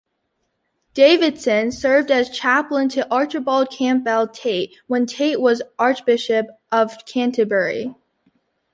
Davidson served as chaplain to Archibald Campbell Tait when Tait was Archbishop of Canterbury.